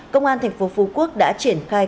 công an thành phố phú quốc đã triển khai